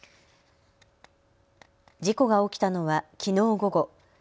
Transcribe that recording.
事故が起きたのはきのう午後。